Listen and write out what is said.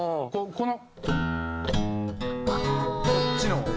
この。